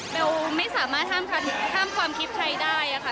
ไม่สามารถห้ามความคิดใครได้ค่ะ